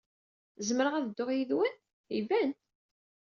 Zemreɣ ad dduɣ yid-wen? Iban!